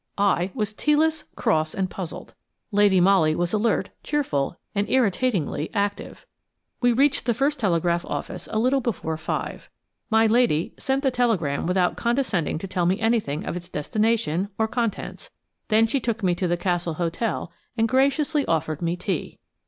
I was tea less, cross, and puzzled. Lady Molly was alert, cheerful, and irritatingly active. We reached the first telegraph office a little before five. My lady sent the telegram without condescending to tell me anything of its destination or contents; then she took me to the Castle Hotel and graciously offered me tea.